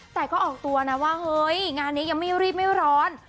แต่ก็ออกตัวนะว่าเฮ้ยงานนี้ยังไม่รีบไม่ร้อน